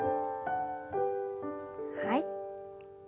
はい。